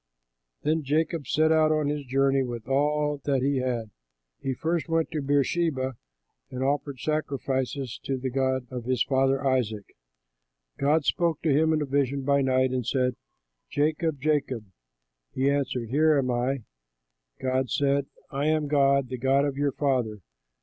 Then Jacob set out on his journey with all that he had. He first went to Beersheba and offered sacrifices to the God of his father Isaac. God spoke to him in a vision by night and said, "Jacob, Jacob." He answered, "Here am I." God said, "I am God, the God of your father.